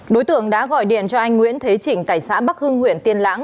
đối tượng đã gọi điện cho anh nguyễn thế trịnh tài xã bắc hưng huyện tiên lãng